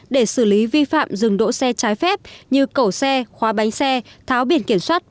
để xử lý vi phạm dừng đỗ xe trái phép như cẩu xe khóa bánh xe tháo biển kiểm soát